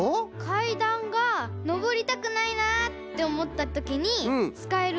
かいだんがのぼりたくないなっておもったときにつかえるね。